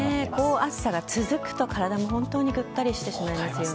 こう暑さが続くと体も本当にぐったりしてしまいますね。